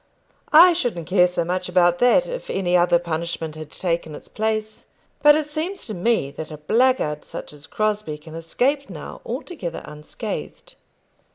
I shouldn't care so much about that, if any other punishment had taken its place. But it seems to me that a blackguard such as Crosbie can escape now altogether unscathed."